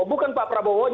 bukan pak prabowo